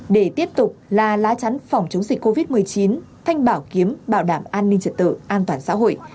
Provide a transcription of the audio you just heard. để tiếp tục là lá chắn phòng chống dịch covid một mươi chín thanh bảo kiếm bảo đảm an ninh trật tự an toàn xã hội